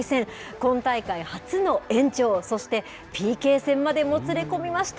今大会初の延長、そしてＰＫ戦までもつれ込みました。